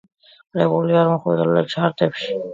კრებული არ მოხვედრილა ჩარტებში.